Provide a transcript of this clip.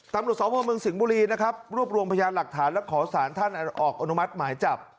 ตำรวจสพเมืองสิงห์บุรีนะครับรวบรวมพยานหลักฐานและขอสารท่านออกอนุมัติหมายจับ